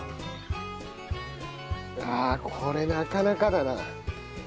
ああこれなかなかだな。